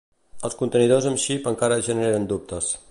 Els contenidors amb xip encara generen dubtes.